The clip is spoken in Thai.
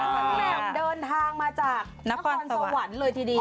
แหม่มเดินทางมาจากนครสวรรค์เลยทีเดียว